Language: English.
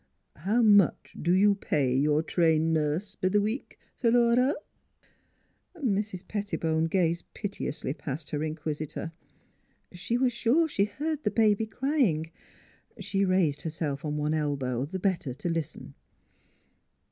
... How much do you pay your trained nurse b' th' week, Phi lura?" Mrs. Pettibone gazed piteously past her inquis itor. She was sure she heard the baby crying. She raised herself on one elbow the better to listen.